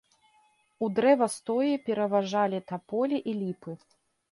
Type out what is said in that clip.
У дрэвастоі пераважалі таполі і ліпы.